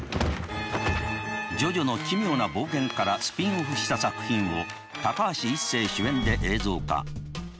「ジョジョの奇妙な冒険」からスピンオフした作品を高橋一生主演で映像化。